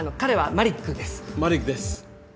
マリックです。